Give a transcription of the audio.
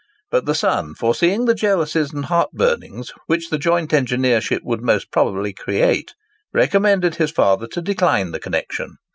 But the son, foreseeing the jealousies and heartburnings which the joint engineership would most probably create, recommended his father to decline the connection.